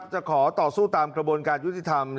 จะขอต่อสู้ตามกระบวนการยุติธรรม